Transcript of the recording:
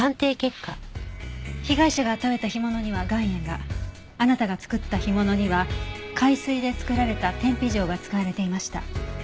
被害者が食べた干物には岩塩があなたが作った干物には海水で作られた天日塩が使われていました。